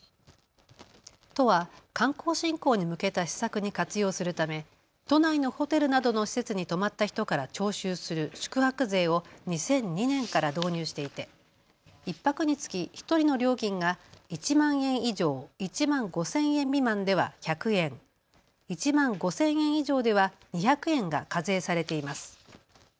都は観光振興に向けた施策に活用するため都内のホテルなどの施設に泊まった人から徴収する宿泊税を２００２年から導入していて１泊につき１人の料金が１万円以上、１万５０００円未満では１００円、１万５０００円以上では２００円が課税されています。